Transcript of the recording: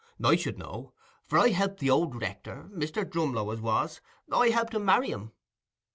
I should know, for I helped the old rector, Mr. Drumlow as was, I helped him marry 'em."